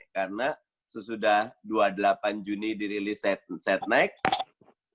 karena sesudah dua puluh delapan juni dirilis sad next